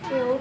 ya udah deh